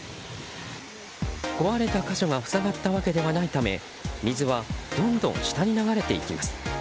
壊れた箇所が塞がったわけではないため水はどんどん下に流れていきます。